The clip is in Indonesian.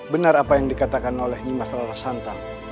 benar apa yang dikatakan oleh nyai mas rara santang